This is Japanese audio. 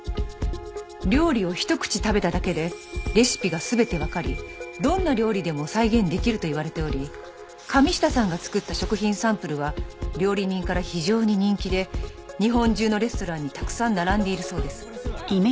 料理をひと口食べただけでレシピが全てわかりどんな料理でも再現できると言われており神下さんが作った食品サンプルは料理人から非常に人気で日本中のレストランにたくさん並んでいるそうです。